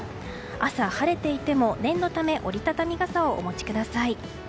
朝晴れていても念のため折り畳み傘をお持ちください。